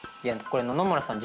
これ野々村さん